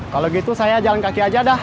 kalau gitu saya jalan kaki aja dah